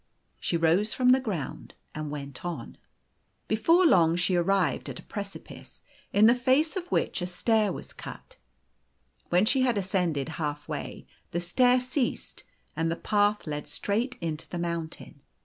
She rose from the ground, and went on. Before long she arrived at a precipice, in the face of which a stair was cut. When she had ascended half way, the stair ceased, and the path led straight into the mountain.